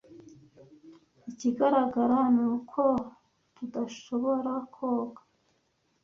Ikigaragara ni uko ntdushoborakoga.